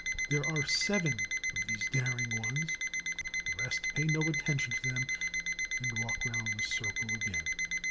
There are seven of these daring ones. The rest pay no attention to them and walk round the circle again.